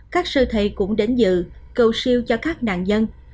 các sư thầy cũng đến dự cầu siêu cho các nạn nhân